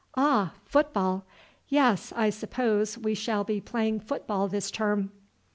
"Ah, football? Yes, I suppose we shall be playing football this term."